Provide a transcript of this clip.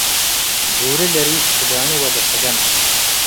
ቡሪ ለሪሽ ክዳኑ ወደ ሰገን